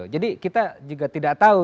jadi kita juga tidak tahu